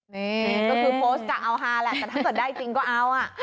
นี่ก็คือโพสต์กะเอาฮาแหละแต่ถ้าเกิดได้จริงก็เอาอ่ะ